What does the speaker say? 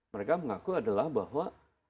mereka mengaku adalah bahwa